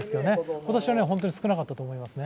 今年は本当に少なかったと思いますね。